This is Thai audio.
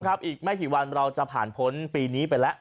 อีกไม่กี่วันเราจะผ่านพ้นปีนี้ไปแล้ว